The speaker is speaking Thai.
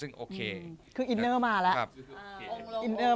อินเนอร์มาแล้วกัน